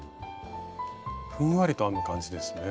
ふんわりと編む感じですね。